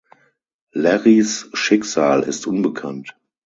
Larrys Schicksal ist unbekannt.